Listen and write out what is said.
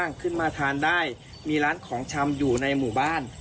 ขึ้นมาทานได้มีร้านของชำอยู่ในหมู่บ้าน